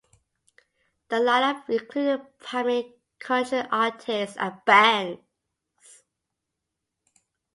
The lineup included primarily country artists and bands.